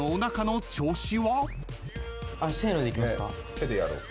手でやろう。